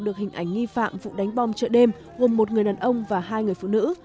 được hình ảnh nghi phạm vụ đánh bom chợ đêm gồm một người đàn ông và hai người phụ nữ